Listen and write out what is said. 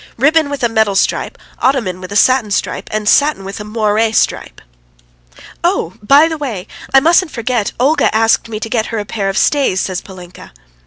Ribbon with a metal stripe, ottoman with a satin stripe, and satin with a moiré stripe!" "Oh, by the way, I mustn't forget, Olga asked me to get her a pair of stays!" says Polinka.